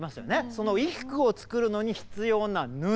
その衣服を作るのに必要な布。